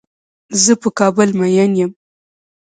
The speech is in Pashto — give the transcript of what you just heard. زۀ په کابل مين يم.